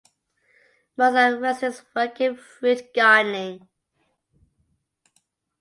Most of residents work in fruit gardening.